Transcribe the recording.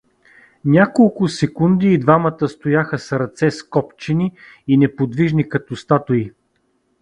Няколко секунди и двамата стояха с ръце скопчени и неподвижни като статуи.